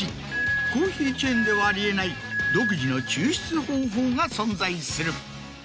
コーヒーチェーンではあり得ない独自の抽出方法が存在する。